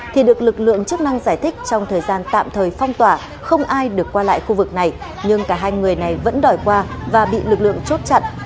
thì được lực lượng chức năng giải thích trong thời gian tạm thời phong tỏa không ai được qua lại khu vực này nhưng cả hai người này vẫn đòi qua và bị lực lượng chốt chặn